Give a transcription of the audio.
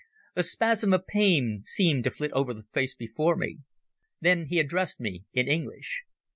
A spasm of pain seemed to flit over the face before me. Then he addressed me in English.